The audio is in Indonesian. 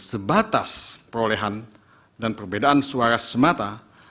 sebatas perolehan dan perbedaan suara semata